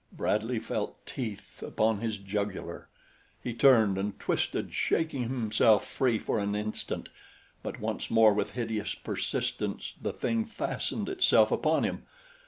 Bradley felt teeth upon his jugular. He turned and twisted, shaking himself free for an instant; but once more with hideous persistence the thing fastened itself upon him.